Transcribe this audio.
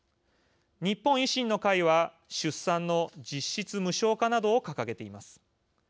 日本維新の会は出産の実質無償化などを掲げています。